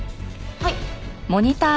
はい。